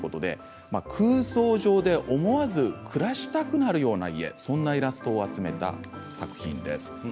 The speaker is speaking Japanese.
空想上で思わず暮らしたくなるような家そんなイラストを集めた作品です。